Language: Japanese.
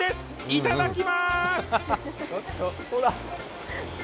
いただきます！